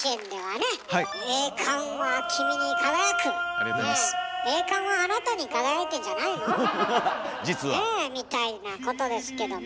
ねえみたいなことですけども。